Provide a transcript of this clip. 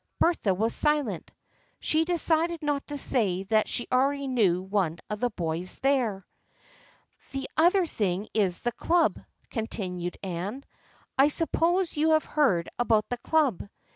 Bertha was silent. She decided not to say that she already knew one of the boys there. 11 The other thing is the club," continued Anne. " I suppose you have heard about the club.